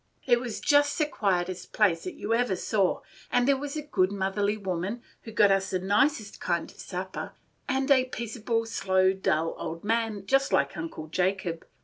It was just the quietest place that ever you saw, and there was a good motherly woman, who got us the nicest kind of supper, and a peaceable, slow, dull old man, just like Uncle Jacob.